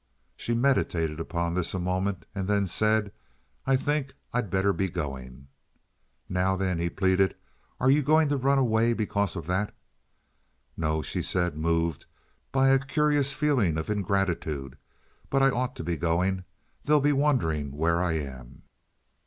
She meditated upon this a moment, and then said, "I think I'd better be going." "Now then," he pleaded, "are you going to run away because of that?" "No," she said, moved by a curious feeling of ingratitude; "but I ought to be going. They'll be wondering where I am."